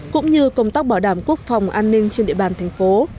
cũng như công tác bảo đảm quốc phòng an ninh trên địa bàn thành phố